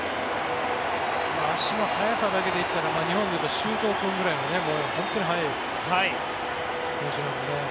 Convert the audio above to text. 足の速さだけで言ったら日本で言うと周東君くらい本当に速い選手なのでね。